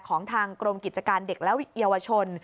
ของทางกรมกิจการเด็กและเยาวชน